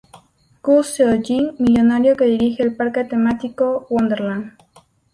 Goo Seo Jin millonario que dirige el parque temático Wonder Land.